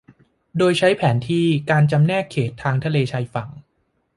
โดยใช้แผนที่การจำแนกเขตทางทะเลชายฝั่ง